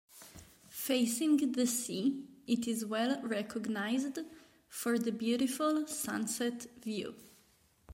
Facing the sea, it is well recognized for the beautiful sunset view.